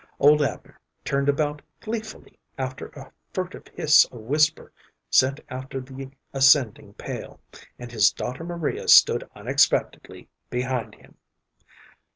Old Abner turned about gleefully after a furtive hiss of whisper sent after the ascending pail, and his daughter Maria stood unexpectedly behind him.